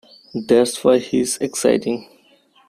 That's why he's exciting.